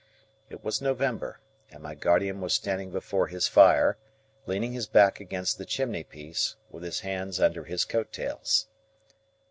It was November, and my guardian was standing before his fire leaning his back against the chimney piece, with his hands under his coattails.